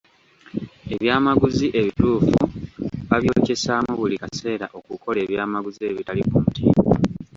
Ebyamaguzi ebituufu babyokyesaamu buli kaseera okukola ebyamaguzi ebitali ku mutindo.